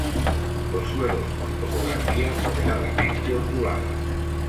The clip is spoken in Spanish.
Los suelos con topografía moderadamente ondulada.